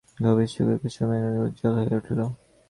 গভীর সুখে কুসুমের মুখখানা উজ্জ্বল হইয়া উঠিল।